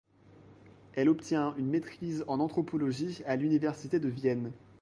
Elle obtient une maîtrise en anthropologie à l'Université de Vienne.